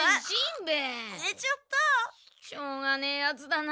しょうがねえやつだな。